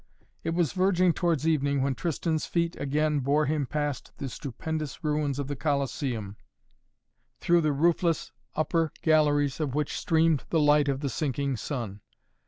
It was verging towards evening when Tristan's feet again bore him past the stupendous ruins of the Colosseum, through the roofless upper galleries of which streamed the light of the sinking sun.